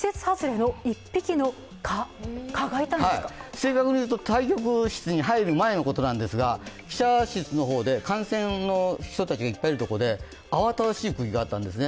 正確に言うと、対局室の前に入ることなんですが、記者室の方で観戦の人たちがいっぱいいるとこで慌ただしい空気があったんですね。